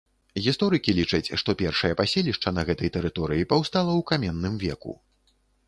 Гісторыкі лічаць, што першае паселішча на гэтай тэрыторыі паўстала ў каменным веку.